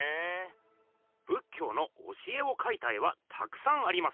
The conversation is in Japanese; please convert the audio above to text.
仏教の教えをかいた絵はたくさんあります。